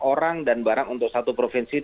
orang dan barang untuk satu provinsi